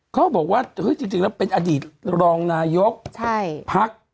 เขาบอกว่าจริงแล้วเป็นอดีตรองนายกพัก